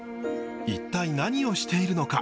一体何をしているのか。